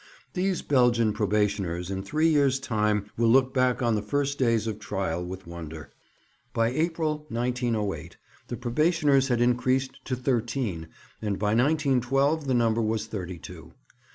These Belgian probationers in three years' time will look back on the first days of trial with wonder.' By April, 1908, the probationers had increased to thirteen; and by 1912 the number was thirty two.